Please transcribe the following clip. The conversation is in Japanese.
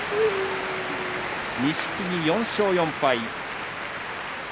錦木、４勝４敗。